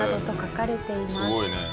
すごいね。